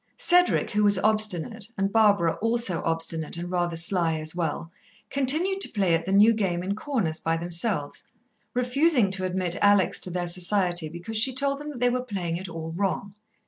Cedric, who was obstinate, and Barbara, also obstinate and rather sly as well, continued to play at the new game in corners by themselves, refusing to admit Alex to their society because she told them that they were playing it all wrong.